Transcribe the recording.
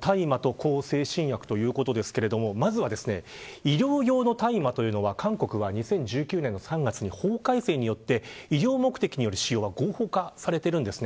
大麻と向精神薬ということですけれどもまずは、医療用の大麻というのは韓国は２０１９年３月に法改正により医療目的による使用は合法化されているんです。